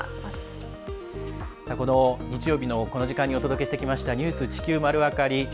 この日曜日のこの時間にお届けしてきました「ニュース地球まるわかり」